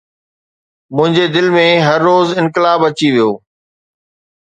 منهنجي دل ۾ هر روز انقلاب اچي ويو